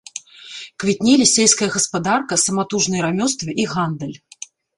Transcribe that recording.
Квітнелі сельская гаспадарка, саматужныя рамёствы і гандаль.